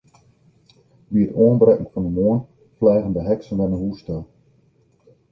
By it oanbrekken fan de moarn fleagen de heksen wer nei hús ta.